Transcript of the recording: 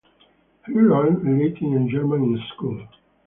He learned Latin and German in school.